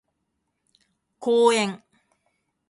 公園